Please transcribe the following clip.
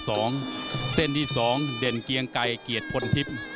เส้นที่๒เด่นเกียงไก่เกียรติพลทิพย์